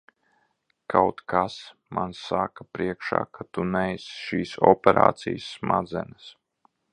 Kaut kas man saka priekšā, ka tu neesi šīs operācijas smadzenes.